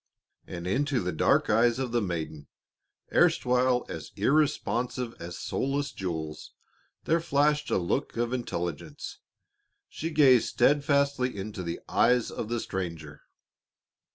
And into the dark eyes of the maiden, erstwhile as irresponsive as soulless jewels, there flashed a look of intelligence. She gazed steadfastly into the eyes of the stranger.